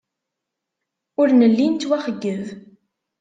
Ur nelli nettwaxeyyeb.